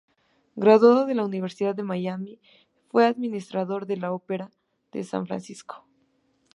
Graduado de la Universidad de Miami fue administrador de la Opera de San Francisco.